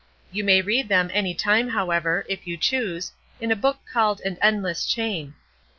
You may read of them any time, however, if you choose, in a book called "An Endless Chain."